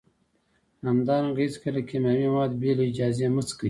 همدارنګه هیڅکله کیمیاوي مواد بې له اجازې مه څکئ